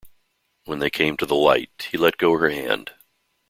When they came to the light, he let go her hand.